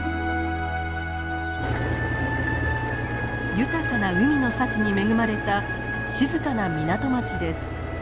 豊かな海の幸に恵まれた静かな港町です。